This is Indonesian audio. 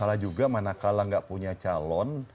masalah juga mana kalah nggak punya calon